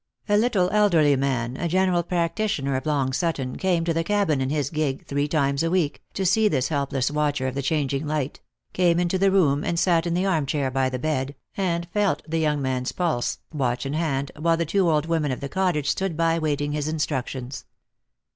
A little elderly man, a general practitioner of Long Sutton, came to the cabin in his gig three times a week, to see this helpless watcher of the changing light; came into the room, and sat in the arm chair by the bed, and felt the young man's pulse, watch in hand, while the old wo man of the cottage stood by waiting his instructions.